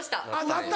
なった？